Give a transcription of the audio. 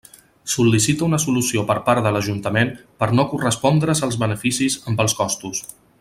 Sol·licita una solució per part de l'Ajuntament per no correspondre's els beneficis amb els costos.